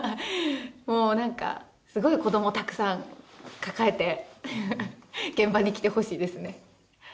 もうなんかすごい子どもたくさん抱えて現場に来てほしいですね